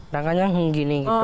tangannya gini gitu